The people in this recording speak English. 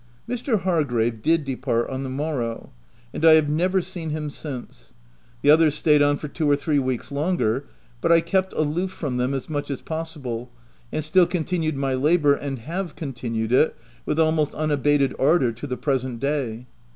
Mr. Hargrave did depart on the morow ; and I have never seen him since. The others stayed on for two or three weeks longer ; but I kept aloof from them as much as possible, and still continued my labour, and have continued it, with almost unabated ardour, to the present day.